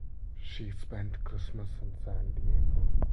She spent Christmas in San Diego.